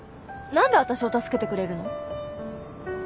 何で私を助けてくれるの？